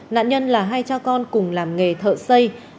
nạn nhân là hai cha con cùng làm nghề thợ xây